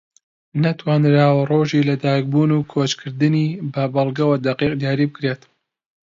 نەتوانراوە ڕۆژی لە دایک بوون و کۆچکردنی بە بەڵگەوە دەقیق دیاری بکرێت